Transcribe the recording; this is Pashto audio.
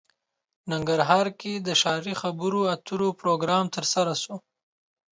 ننګرهار کې د ښاري خبرو اترو پروګرام ترسره شو